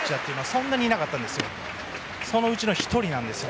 そんなにいないんですがそのうちの１人です。